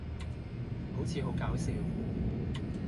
好似好搞笑